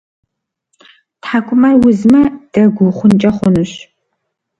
ТхьэкӀумэр узмэ, дэгу ухъункӀэ хъунущ.